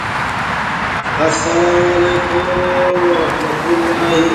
As alien as Tigerishka is, Paul becomes besotted with her.